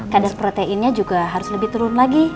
kadar proteinnya juga harus lebih turun lagi